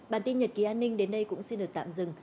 bản tin nhật ký an ninh đến đây cũng xin được tạm dừng